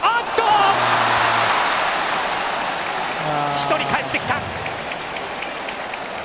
１人、かえってきた！